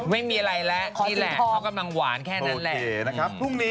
ไม่มีอะไรมั้ยเลยที่กดมันอาวารแค่นั้นแหละ